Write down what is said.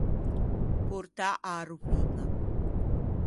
Portâ a-a roviña.